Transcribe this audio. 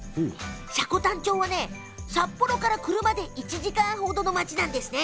積丹町は札幌から車で１時間程の町なんですね。